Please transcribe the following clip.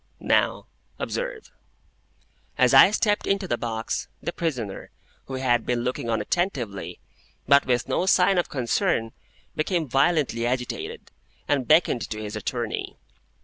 Now, observe. As I stepped into the box, the prisoner, who had been looking on attentively, but with no sign of concern, became violently agitated, and beckoned to his attorney.